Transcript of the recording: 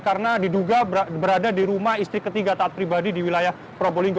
karena diduga berada di rumah istri ketiga taat pribadi di wilayah probolinggo